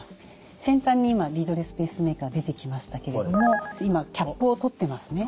先端に今リードレスペースメーカー出てきましたけれども今キャップを取ってますね。